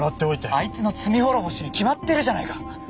あいつの罪滅ぼしに決まってるじゃないか